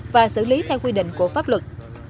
và xử lý theo quy định của pháp luật